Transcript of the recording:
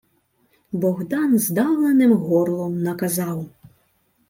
Богдан здавленим горлом наказав: